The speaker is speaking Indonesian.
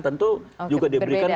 tentu juga diberikan kewenangan